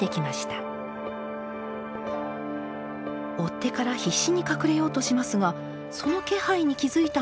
追っ手から必死に隠れようとしますがその気配に気付いたのが犬です。